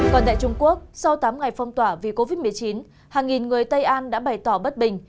còn tại trung quốc sau tám ngày phong tỏa vì covid một mươi chín hàng nghìn người tây an đã bày tỏ bất bình